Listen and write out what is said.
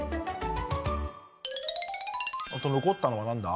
あと残ったのは何だ？